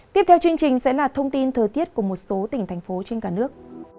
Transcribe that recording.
tiếp theo chương trình sẽ là thông tin thời tiết của một số tỉnh thành phố trên cả nước